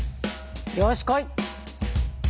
よしこい！